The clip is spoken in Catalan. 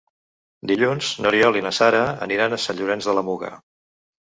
Dilluns n'Oriol i na Sara aniran a Sant Llorenç de la Muga.